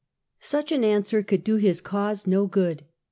Such an answer could do his cause no good.